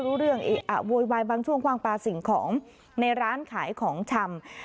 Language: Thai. รู้เรื่องโวยวายบางช่วงคว่างปลาสิ่งของในร้านขายของชำ